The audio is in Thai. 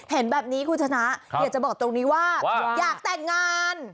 เห็นแบบนี้คุณชนะอยากจะบอกตรงนี้ว่าอยากแต่งงาน